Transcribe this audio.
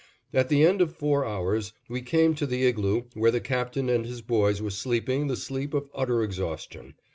At the end of four hours, we came to the igloo where the Captain and his boys were sleeping the sleep of utter exhaustion.